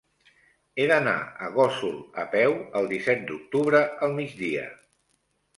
He d'anar a Gósol a peu el disset d'octubre al migdia.